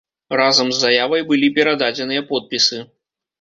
Разам з заявай былі перададзеныя подпісы.